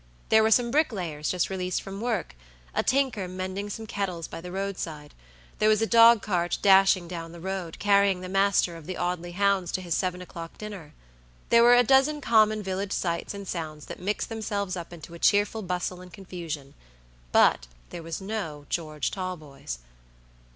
There were some bricklayers just released from worka tinker mending some kettles by the roadside; there was a dog cart dashing down the road, carrying the master of the Audley hounds to his seven o'clock dinner; there were a dozen common village sights and sounds that mixed themselves up into a cheerful bustle and confusion; but there was no George Talboys.